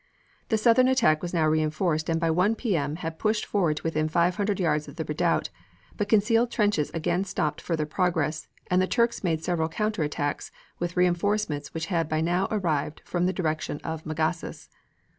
The southern attack was now reinforced, and by 1 P.M. had pushed forward to within five hundred yards of the redoubt, but concealed trenches again stopped further progress and the Turks made several counter attacks with reinforcements which had by now arrived from the direction of Magasis.